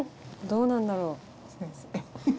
どうなんだろう。